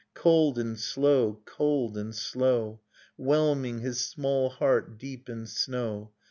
Cold and slow, cold and slow. Whelming his small heart deep in snow.